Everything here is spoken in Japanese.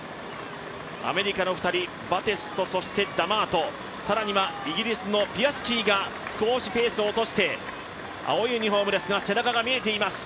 アメリカの２人、バテスとそして、ダマート更にはイギリスのピアスキーが少しペースを落として青いユニフォームですが背中が見えています。